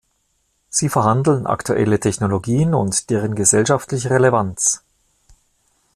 Sie verhandeln aktuelle Technologien und deren gesellschaftliche Relevanz.